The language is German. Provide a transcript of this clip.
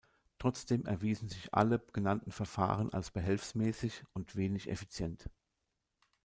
Trotzdem erwiesen sich alle genannten Verfahren als behelfsmäßig und wenig effizient.